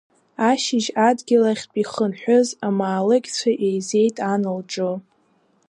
Ашьыжь, Адгьыл ахьтә ихынҳәыз амаалықьцәа еизеит Ан лҿы.